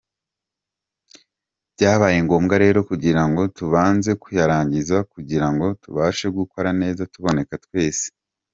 Byabaye ngombwa rero kugira ngo tubanze kuyarangiza kugira ngo tubashe gukora neza tuboneka twese”.